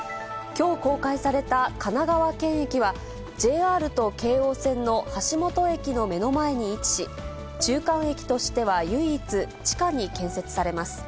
きょう公開された神奈川県駅は、ＪＲと京王線の橋本駅の目の前に位置し、中間駅としては唯一、地下に建設されます。